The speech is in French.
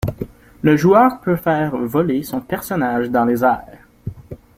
Le joueur peut faire voler son personnage dans les airs.